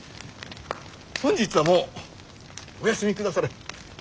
本日はもうお休みくだされ。